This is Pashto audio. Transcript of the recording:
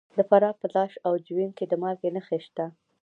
د فراه په لاش او جوین کې د مالګې نښې شته.